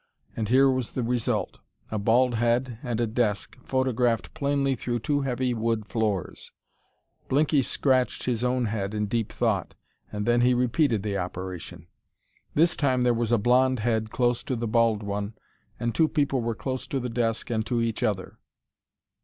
And here was the result a bald head and a desk, photographed plainly through two heavy wood floors. Blinky scratched his own head in deep thought. And then he repeated the operation. This time there was a blonde head close to the bald one, and two people were close to the desk and to each other.